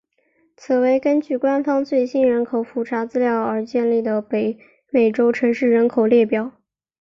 此为根据官方最新人口普查资料而建立的北美洲城市人口列表。